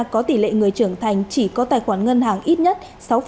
có tỷ lệ người trưởng thành chỉ có tài khoản ngân hàng ít nhất sáu